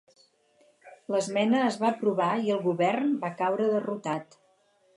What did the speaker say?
L'esmena es va aprovar i el govern va caure derrotat.